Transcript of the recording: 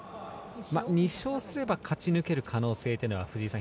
２勝すれば勝ち抜ける可能性が藤井さん